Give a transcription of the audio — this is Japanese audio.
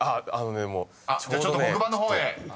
じゃあちょっと黒板の方へ］